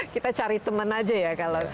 kita cari teman aja ya